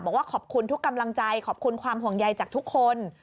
บอกว่าขอบคุณทุกกำลังใจขอบคุณความห่วงใยจากทุกคน